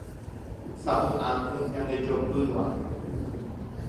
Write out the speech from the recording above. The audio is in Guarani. sapy'ánte ñandejopýva